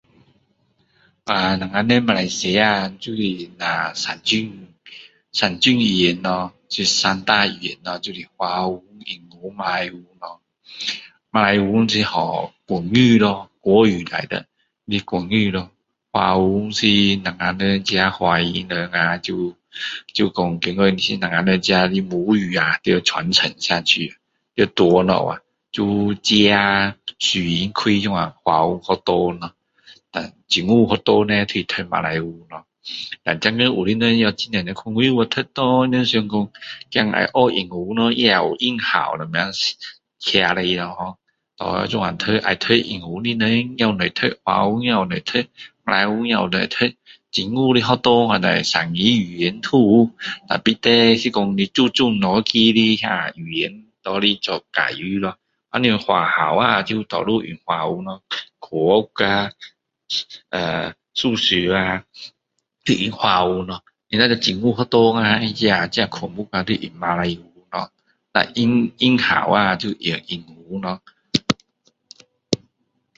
"“ahh""我们人马来西亚，就是‘ahh""三种,三种语言咯，是三大语言咯就是华文，英文，马来文咯，马来文就叫国语咯，国语来的，是国语咯。华文是我们自己华人们，就讲觉得是我们自己的母语啊，就要传承下去，要传下去啊。""uhh"" 就有自己私人开的华文学校咯，但政府的学校是读马来文咯。但现在有的人也有很多人也去外国，他们想说給孩子学英文，也有英校什么咯。”unclear“ 这样来要念英文的也有得读，华文也有得读，马来文也有得读。政府的学校反正三个语言都有，但是看你注重哪个语言，拿来做教书咯。”ahh""华校啊就多数用华文咯，科学呀”ahh"",”ahh"" 数学呀，都用华文咯。那政府学校的科目都用马来文咯，但英校啊，就用英文咯。"